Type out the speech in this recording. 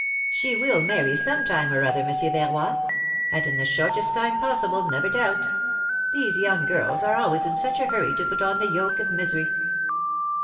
^^She will marry some time or other. Monsieur Verroy; and in the shortest time possible, never doubt! These young girls are always in such a hurry to put on the yoke of misery!"